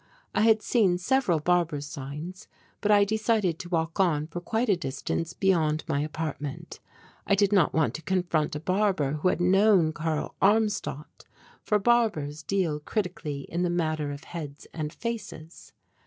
I had seen several barber's signs but I decided to walk on for quite a distance beyond my apartment. I did not want to confront a barber who had known Karl Armstadt, for barbers deal critically in the matter of heads and faces.